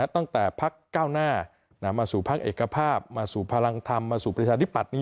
ตั้งแต่ภักษ์ก้าวหน้ามาสู่ภักษ์เอกภาพมาสู่ภารังธรรมมาสู่ประธิปัตย์นี้